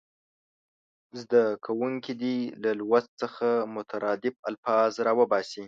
زده کوونکي دې له لوست څخه مترادف الفاظ راوباسي.